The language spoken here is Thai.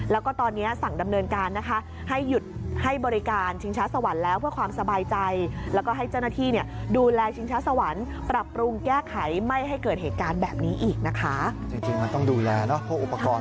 แล้วก็ตอนนี้สั่งดำเนินการให้หยุดให้บริการชิมช้าสวรรค์แล้ว